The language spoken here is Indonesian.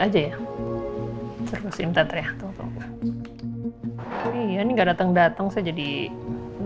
hai jangan banyak geram